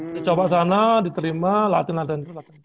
dicoba sana diterima latin latihan